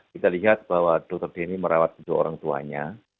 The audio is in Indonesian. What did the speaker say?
kita lihat bahwa dr denny merawat kedua orang tuanya